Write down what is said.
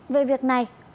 về việc này